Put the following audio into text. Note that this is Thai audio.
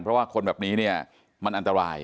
เพราะว่าคนแบบนี้เนี่ยมันอันตราย